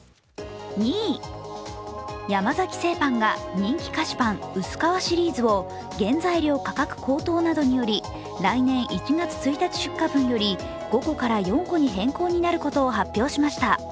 山崎製パンが人気菓子パン、薄皮シリーズを原材料価格高騰により来年１月１日出荷分より５個から４個に変更になることを発表しました。